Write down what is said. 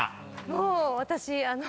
もう私あの。